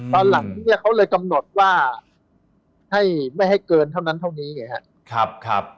ตอนหลังเนี่ยเขาเลยกำหนดว่าให้ไม่ให้เกินเท่านั้นเท่านี้ไงครับ